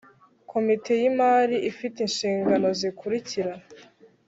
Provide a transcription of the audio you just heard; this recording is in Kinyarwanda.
Komite y imari ifite inshingano zikurikira